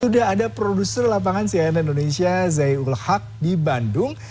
sudah ada produser lapangan cnn indonesia zai ul haq di bandung